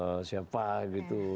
atau siapa gitu